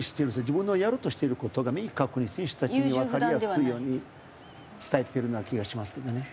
自分のやろうとしている事が明確に選手たちにわかりやすいように伝えてるような気がしますけどね。